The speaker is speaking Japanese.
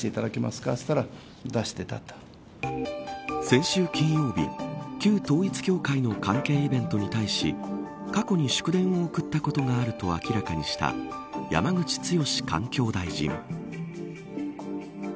先週金曜日旧統一教会の関係イベントに対し過去に祝電を送ったことがあると明らかにした山口壯環境大臣。